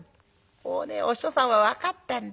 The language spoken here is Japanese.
もうねお師匠さんは分かってんだよ。